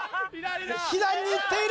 左に行っている！